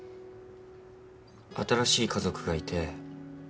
新しい家族がいて。